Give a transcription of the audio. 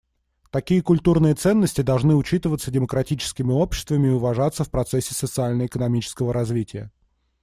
Такие культурные ценности должны учитываться демократическими обществами и уважаться в процессе социально-экономического развития.